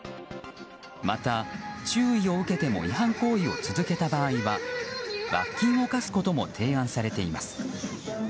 また、注意を受けても違反行為を続けた場合は罰金を科すことも提案されています。